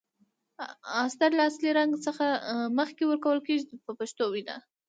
استر له اصلي رنګ څخه مخکې ورکول کیږي په پښتو وینا.